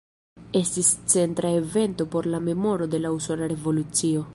Estis centra evento por la memoro de la Usona Revolucio.